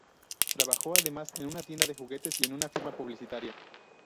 Trabajó además en una tienda de juguetes, y en una firma publicitaria.